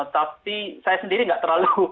tapi saya sendiri nggak terlalu